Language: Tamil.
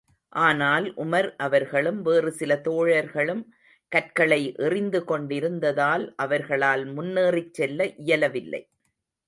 ஆனால் உமர் அவர்களும், வேறு சில தோழர்களும் கற்களை எறிந்து கொண்டிருந்ததால், அவர்களால் முன்னேறிச் செல்ல இயலவில்லை.